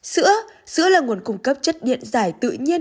sữa sữa là nguồn cung cấp chất điện giải tự nhiên